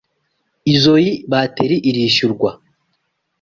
Izoi bateri irishyurwa.